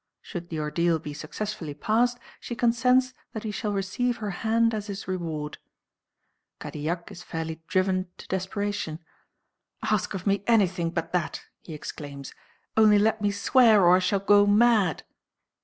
Should the ordeal be successfully passed, she consents that he shall receive her hand as his reward. Cadillac is fairly driven to desperation. "Ask of me anything but that!" he exclaims; "only let me swear, or I shall go mad!"